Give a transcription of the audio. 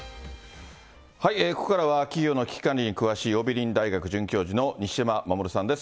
ここからは、企業の危機管理に詳しい桜美林大学准教授の西山守さんです。